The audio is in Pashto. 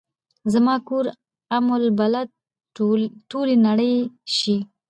زما کور ام البلاد ، ټولې نړۍ شي